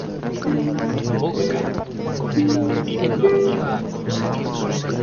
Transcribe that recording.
Ambos asistieron a la misma escuela secundaria.